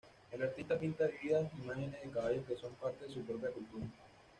El artista pinta vívidas imágenes de caballos que son parte de su propia cultura.